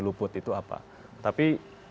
luput itu apa tapi